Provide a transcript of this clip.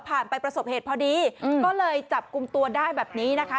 ประสบไปประสบเหตุพอดีก็เลยจับกลุ่มตัวได้แบบนี้นะคะ